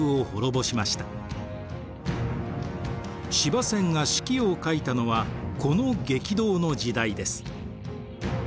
司馬遷が「史記」を書いたのはこの激動の時代です。